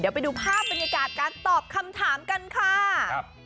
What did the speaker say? เดี๋ยวไปดูภาพบรรยากาศการตอบคำถามกันค่ะ